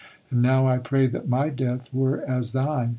And now I pray that my death were as thine!